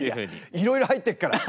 いろいろ入ってるから！